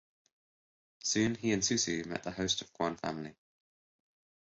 Soon he and Susu met the host of Quan Family.